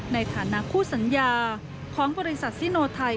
ในฐานะคู่สัญญาของบริษัทซิโนไทย